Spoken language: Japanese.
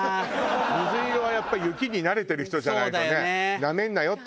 水色はやっぱ雪に慣れてる人じゃないとねなめんなよって